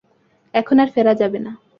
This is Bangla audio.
এখন আর ফেরা যাবে না।